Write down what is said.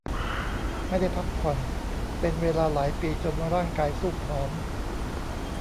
ไม่ได้พักผ่อนเป็นเวลาหลายปีจนร่างกายซูบผอม